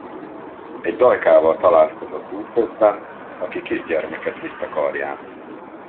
Egy dajkával találkozott útközben, aki kisgyermeket vitt a karján.